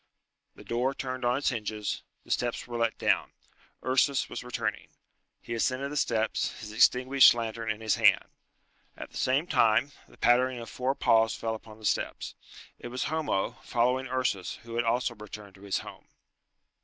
The door turned on its hinges, the steps were let down. Ursus was returning. He ascended the steps, his extinguished lantern in his hand. At the same time the pattering of four paws fell upon the steps. It was Homo, following Ursus, who had also returned to his home.